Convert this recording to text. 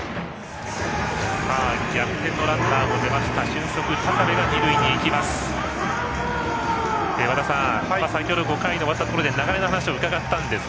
逆転のランナーも出ました俊足、高部が二塁に行きます。